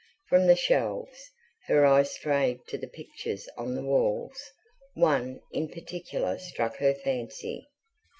From the shelves, her eyes strayed to the pictures on the walls; one, in particular struck her fancy.